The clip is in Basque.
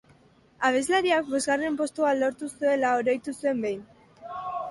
Abeslariak bosgarren postua lortu zuela oroitu zuen behin.